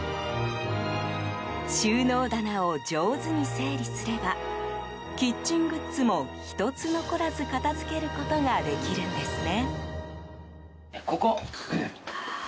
収納棚を上手に整理すればキッチングッズも１つ残らず片付けることができるんですね。